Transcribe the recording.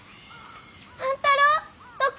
万太郎どこ？